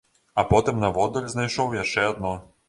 А потым наводдаль знайшоў яшчэ адно.